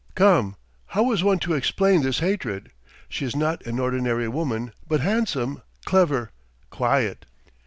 Come, how is one to explain this hatred? She is not an ordinary woman, but handsome, clever, quiet."